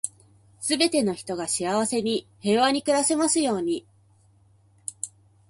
全ての人が幸せに、平和に暮らせますように。